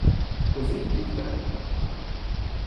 Così il Ten.